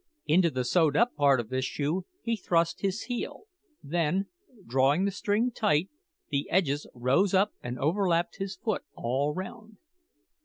Into the sewed up part of this shoe he thrust his heel; then, drawing the string tight, the edges rose up and overlapped his foot all round.